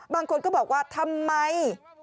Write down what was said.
บางคนก็บอกว่าทำไม